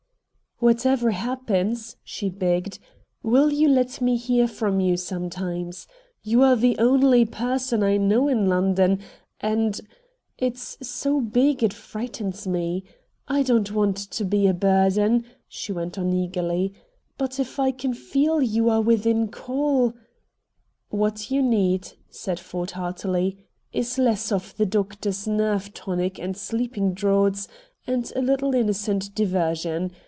"Whatever happens," she begged, "will you let me hear from you sometimes? You are the only person I know in London and it's so big it frightens me. I don't want to be a burden," she went on eagerly, "but if I can feel you are within call " "What you need," said Ford heartily, "is less of the doctor's nerve tonic and sleeping draughts, and a little innocent diversion.